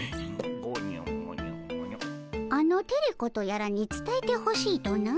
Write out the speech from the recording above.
あのテレ子とやらにつたえてほしいとな？